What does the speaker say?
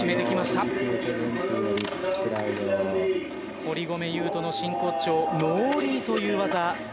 堀米雄斗の真骨頂、ノーリーという技。